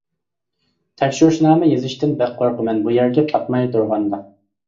تەكشۈرۈشنامە يېزىشتىن بەك قورقىمەن بۇ يەرگە پاتماي تۇرغاندا.